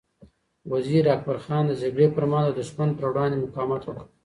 وزیر اکبر خان د جګړې پر مهال د دښمن پر وړاندې مقاومت وکړ.